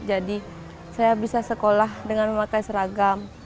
saya bisa sekolah dengan memakai seragam